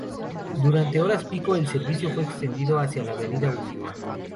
Durante horas pico, el servicio fue extendido hacia la Avenida Utica.